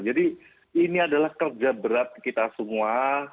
jadi ini adalah kerja berat kita semua